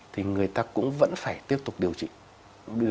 thì người ta cũng vẫn phải tiếp tục điều trị